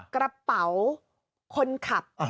กระเป๋าคนขับ